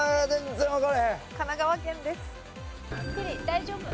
大丈夫。